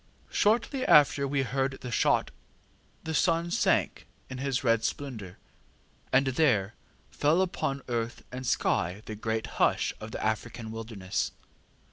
ŌĆ£Shortly after we heard the shot the sun sank in his red splendour, and there fell upon earth and sky the great hush of the African wilderness.